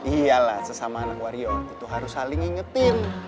iya lah sesama anak wario itu harus saling ngingetin